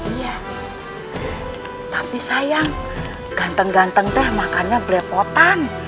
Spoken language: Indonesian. iya tapi sayang ganteng ganteng teh makannya brepotan